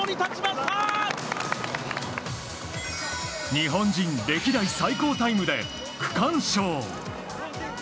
日本人歴代最高タイムで区間賞。